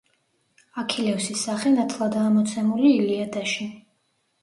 აქილევსის სახე ნათლადაა მოცემული „ილიადაში“.